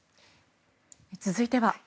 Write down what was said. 続いては。